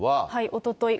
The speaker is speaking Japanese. おととい。